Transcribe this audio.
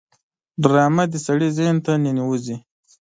ډرامه د سړي ذهن ته ننوزي